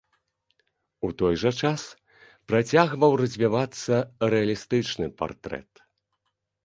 У той жа час працягваў развівацца рэалістычны партрэт.